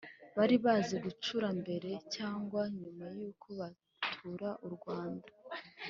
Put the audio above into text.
bari bazi gucura mbere cyangwa nyuma yuko batura u Rwanda